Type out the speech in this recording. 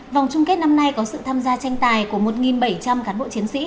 vòng chung kết năm nay có sự tham gia tranh tài của một bảy trăm linh cán bộ chiến sĩ